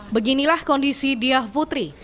beginilah kondisi dia putri